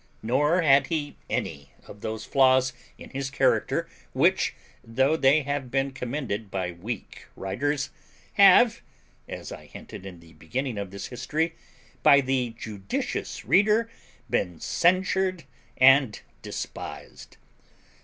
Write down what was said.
Nor had he any of those flaws in his character which, though they have been commended by weak writers, have (as I hinted in the beginning of this history) by the judicious reader been censured and despised.